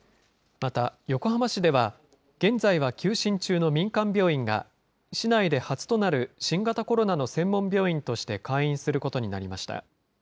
また、横浜市では現在は休診中の民間病院が、市内で初となる新型コロナの専門病院として開院することになりました。